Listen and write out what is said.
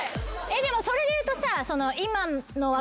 でもそれでいうとさ。